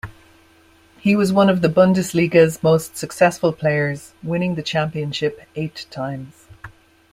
He was one of the Bundesliga's most successful players, winning the championship eight times.